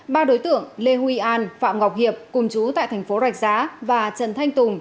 ba đối tượng lê huy an phạm ngọc hiệp cùng chú tại thành phố rạch giá và trần thanh tùng